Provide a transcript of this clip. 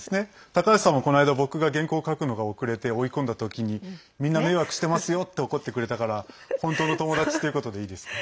高橋さんも、この間僕が原稿、書くのが遅れて追い込んだときにみんな迷惑してますよって怒ってくれたから本当の友達っていうことでいいですか？